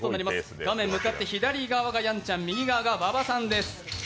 画面向かって左側がやんちゃん、右側が馬場さんです。